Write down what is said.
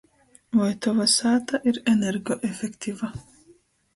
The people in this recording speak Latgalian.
Voi Tova sāta ir energoefektiva?